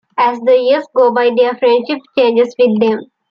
As the years go by their friendship changes with them.